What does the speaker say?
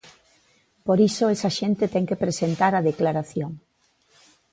Por iso esa xente ten que presentar a declaración.